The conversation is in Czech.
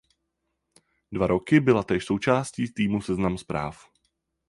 Dva roky byla též součástí týmu Seznam Zpráv.